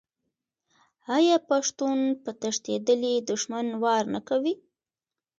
آیا پښتون په تښتیدلي دښمن وار نه کوي؟